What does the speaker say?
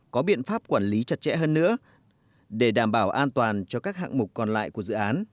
có biện pháp quản lý chặt chẽ hơn nữa để đảm bảo an toàn cho các hạng mục còn lại của dự án